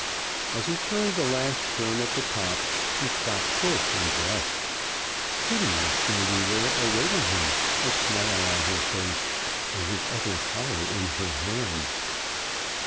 As he turned the last turn at the top he stopped short and blushed. Kitty was standing there awaiting him, a smile on her face and his other collar in her hand.